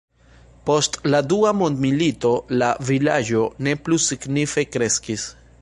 Post la Dua mondmilito la vilaĝo ne plu signife kreskis.